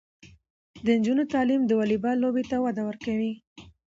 د نجونو تعلیم د والیبال لوبې ته وده ورکوي.